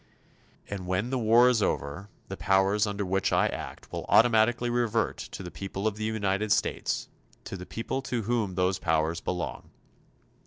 And when the war is over, the powers under which I act will automatically revert to the people of the United States to the people to whom those powers belong.